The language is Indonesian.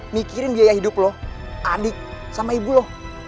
mikirin biaya hidup lo adik sama ibu lo